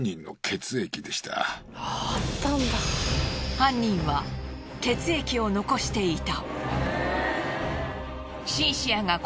犯人は血液を残していた。